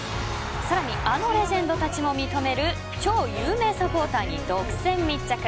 さらにあのレジェンドたちも認める、超有名サポーターに独占密着。